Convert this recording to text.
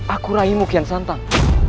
aku raimu kian santang